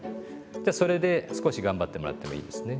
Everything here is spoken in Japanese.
じゃあそれで少し頑張ってもらってもいいですね。